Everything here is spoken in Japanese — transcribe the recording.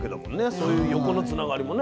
そういう横のつながりもね。